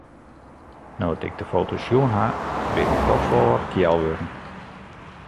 No't ik de foto's sjoen ha, bin ik dochs wol wat kjel wurden.